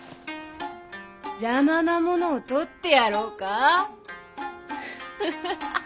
邪魔なものを取ってやろうか！？